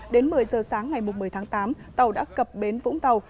đến một mươi giờ sáng ngày một mươi tháng tám tàu đã cập bến vũng tàu